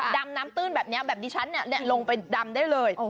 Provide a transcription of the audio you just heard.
ดำน้ำตื้นแบบนี้แบบดิฉันลงไปดำได้เลย